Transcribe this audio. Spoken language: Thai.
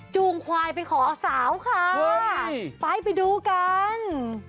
เอาควายไปขอสาวค่ะไปดูกัน